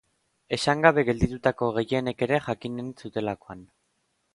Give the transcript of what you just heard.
Esan gabe gelditutako gehienek ere jakinen zutelakoan.